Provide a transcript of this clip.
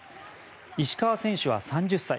石川選手は３０歳。